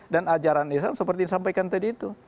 dan ajaran islam seperti yang disampaikan tadi itu